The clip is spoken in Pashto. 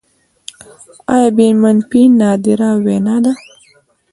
اې بي منفي نادره وینه ده